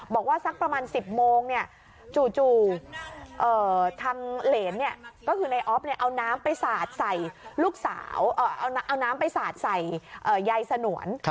บอกว่าสักประมาณ๑๐โมงจู่ทางเหรนก็คือนายอ๊อฟเอาน้ำไปสาดใส่ยายสนวน